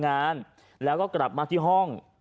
ตอนนั้นเราทำอะไรอยู่